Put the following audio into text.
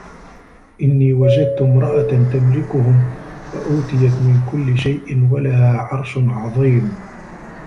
إِنّي وَجَدتُ امرَأَةً تَملِكُهُم وَأوتِيَت مِن كُلِّ شَيءٍ وَلَها عَرشٌ عَظيمٌ